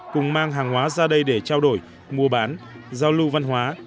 cùng mang hàng hóa ra đây để trao đổi mua bán giao lưu văn hóa